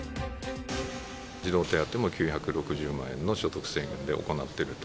児童手当も９６０万円の所得制限で行っていると。